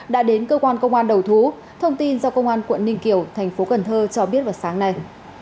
đã đến cơ quan công an đầu thú thông tin do công an quận ninh kiều thành phố cần thơ cho biết vào sáng nay